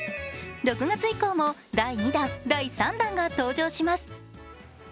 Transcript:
６月以降も第２弾、第３弾が登場します。